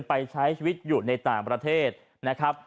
ไปใช้ชีวิตอยู่ในต่างประเทศนะครับ